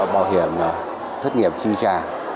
bảo hiểm thất nghiệp trị trả